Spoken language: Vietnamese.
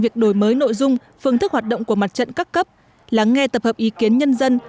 việc đổi mới nội dung phương thức hoạt động của mặt trận các cấp lắng nghe tập hợp ý kiến nhân dân